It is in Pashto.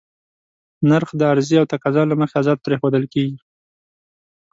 نرخ د عرضې او تقاضا له مخې ازاد پرېښودل کېږي.